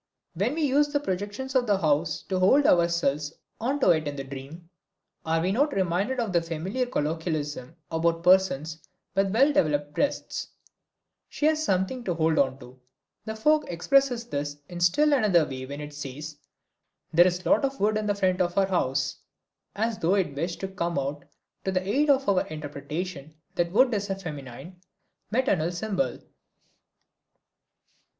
When we use the projections of the house to hold ourselves on to in the dream, are we not reminded of the familiar colloquialism about persons with well developed breasts: "She has something to hold onto"? The folk express this in still another way when it says, "there's lots of wood in front of her house"; as though it wished to come to the aid of our interpretation that wood is a feminine, maternal symbol.